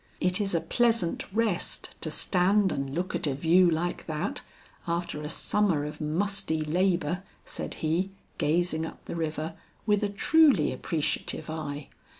"It is a pleasant rest to stand and look at a view like that, after a summer of musty labor," said he, gazing up the river with a truly appreciative eye.